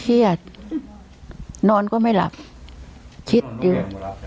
เครียดนอนก็ไม่หลับคิดอยู่